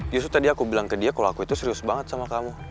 justru tadi aku bilang ke dia kalau aku itu serius banget sama kamu